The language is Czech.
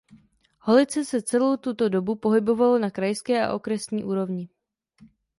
Holice se celou tuto dobu pohybovalo na krajské a okresní úrovni.